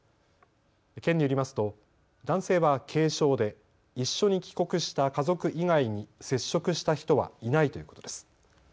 県によりますと男性は軽症で一緒に帰国した家族以外に接触した人はいないということです。